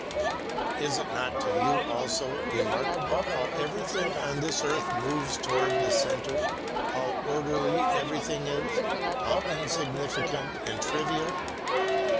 Is it not to you also remarkable how everything on this earth moves toward the centre, how orderly everything is, how insignificant and trivial?